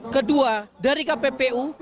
kedua dari kppu